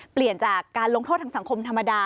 เปลี่ยนจากการลงโทษทางสังคมธรรมดา